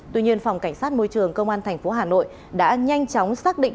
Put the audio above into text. tuy nhiên phòng cảnh sát môi trường công an tp hà nội đã nhanh chóng xác định